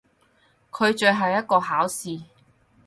佢最後一個考試！